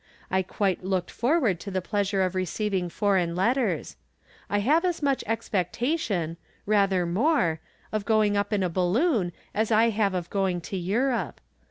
I quite looked forward to the pleasure of receiving foreign letters. I have as much expectation — ^rather more — of going up in a balloon as I have of going to Europe.